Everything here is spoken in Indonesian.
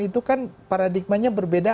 itu kan paradigmanya berbeda